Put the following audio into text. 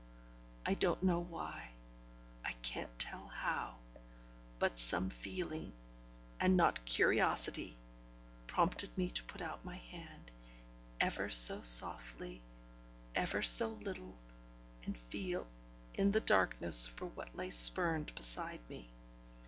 I don't know why I can't tell how but some feeling, and not curiosity, prompted me to put out my hand, ever so softly, ever so little, and feel in the darkness for what lay spurned beside me.